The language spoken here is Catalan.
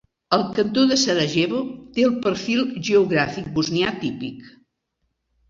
El Cantó de Sarajevo té el perfil geogràfic bosnià típic.